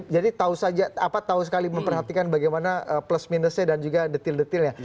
jadi tahu sekali memperhatikan bagaimana plus minusnya dan juga detil detilnya